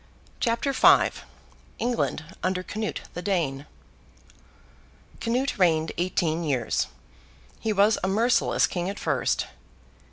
CHAPTER V ENGLAND UNDER CANUTE THE DANE Canute reigned eighteen years. He was a merciless King at first.